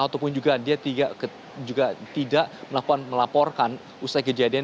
ataupun juga dia tidak melaporkan usai kejadian